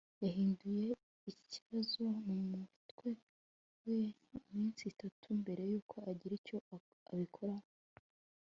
Yahinduye ikibazo mumutwe we iminsi itatu mbere yuko agira icyo abikoraho